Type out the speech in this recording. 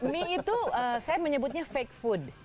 mie itu saya menyebutnya fake food